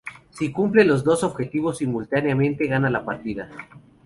Si cumple los dos objetivos simultáneamente, gana la partida.